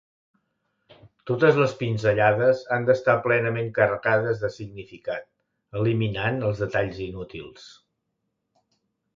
Totes les pinzellades han d'estar plenament carregades de significat, eliminant els detalls inútils.